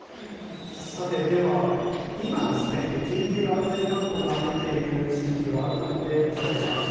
では、今緊急安全確保が出ている地域を改めてお伝えします。